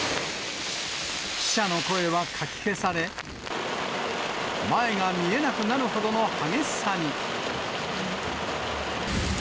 記者の声はかき消され、前が見えなくなるほどの激しさに。